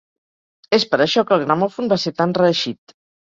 És per això que el gramòfon va ser tan reeixit.